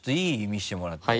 見せてもらって。